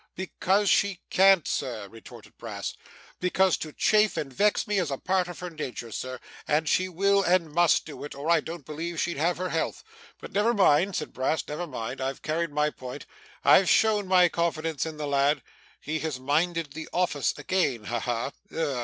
'Because she can't, sir,' retorted Brass; 'because to chafe and vex me is a part of her nature, Sir, and she will and must do it, or I don't believe she'd have her health. But never mind,' said Brass, 'never mind. I've carried my point. I've shown my confidence in the lad. He has minded the office again. Ha ha!